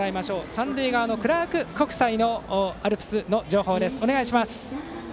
三塁側のクラーク国際のアルプスの情報、お願いします。